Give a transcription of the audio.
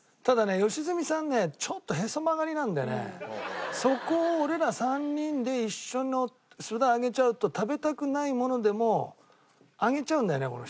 ただね良純さんねちょっとへそ曲がりなんでねそこを俺ら３人で一緒の札上げちゃうと食べたくないものでも上げちゃうんだよね